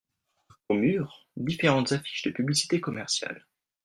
Aux murs, différentes affiches de publicité commerciale.